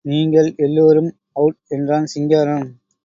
நீங்கள் எல்லோரும் அவுட் என்றான் சிங்காரம்.